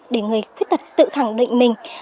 để người khuyết tật tự khẳng định mình